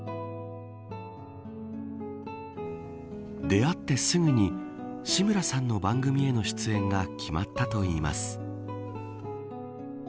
出会ってすぐに志村さんの番組への出演が決まったといいます。